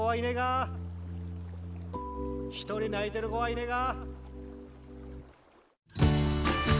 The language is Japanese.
一人泣いてる子はいねが。